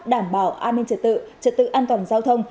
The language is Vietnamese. đảm bảo an ninh trật tự trật tự an toàn giao thông